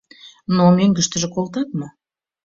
Но мӧҥгыштыжӧ колтат мо?